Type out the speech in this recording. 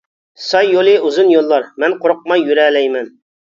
ساي يولى ئۇزۇن يوللار، مەن قورقماي يۈرەلەيمەن.